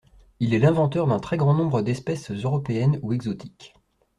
Il est l'inventeur d'un très grand nombre d'espèces européennes ou exotiques.